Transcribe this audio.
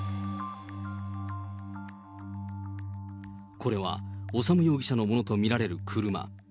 これは修容疑者のものと見られる車。